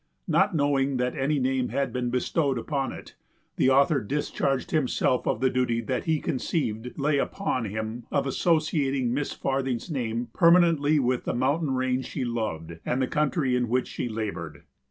Not knowing that any name had been bestowed upon it, the author discharged himself of the duty that he conceived lay upon him of associating Miss Farthing's name permanently with the mountain range she loved and the country in which she labored.